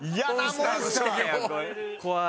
怖い。